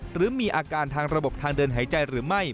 หรือมีอาการทางระบบทางเดินหายใจหรือไม่